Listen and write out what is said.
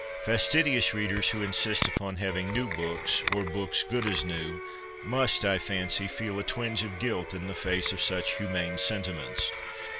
' Fastidious readers who insist upon having new books, or books ■ good as new,' must, I fancy, feel a ' twinge of guilt ' in the face of such humane sentiments.